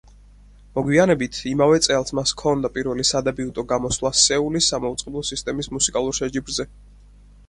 მოგვიანებით, იმავე წელს მას ჰქონდა პირველი სადებიუტო გამოსვლა სეულის სამაუწყებლო სისტემის მუსიკალურ შეჯიბრზე.